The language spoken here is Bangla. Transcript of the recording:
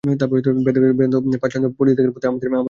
বেদ সম্বন্ধে পাশ্চাত্য পণ্ডিতদিগের মতে আমার কোন আস্থা নাই।